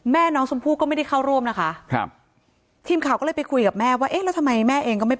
แม่น้องสมภูก็ไม่ได้เข้าร่วมนะคะ